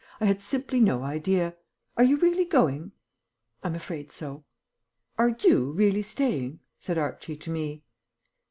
I had simply no idea. Are you really going?" "I'm afraid so." "Are you really staying?" said Archie to me.